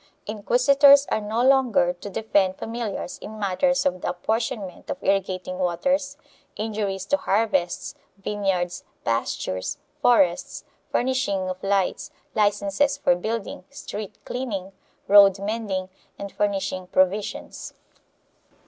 Inquisitors are no longer to defend familiars in matters of the apportionment •of irrigating waters, injuries to harvests, vineyards, pastures, forests, furnishing of lights, licences for building, street cleaning, road mending and furnishing pro visions.